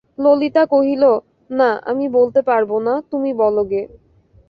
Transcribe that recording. ললিতা কহিল, না, আমি বলতে পারব না, তুমি বলো গে।